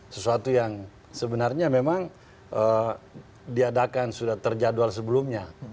sesuatu yang sebenarnya memang diadakan sudah terjadwal sebelumnya